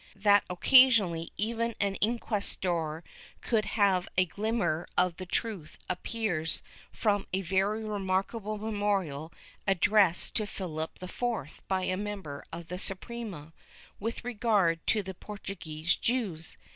That occasionally even an inquisitor could have a glimmer of the truth appears from a very remarkable memorial addressed to Philip IV by a member of the Suprema, with regard to the Portuguese Jews.